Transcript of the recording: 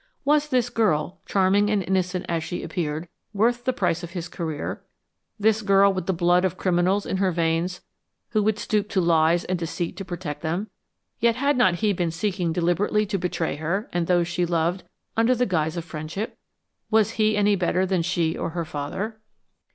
Was this girl, charming and innocent as she appeared, worth the price of his career this girl with the blood of criminals in her veins, who would stoop to lies and deceit to protect them? Yet had not he been seeking deliberately to betray her and those she loved, under the guise of friendship? Was he any better than she or her father?